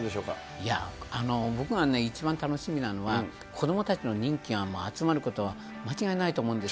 いやー、僕がね、一番楽しみなのは、子どもたちの人気が集まることは間違いないと思うんです。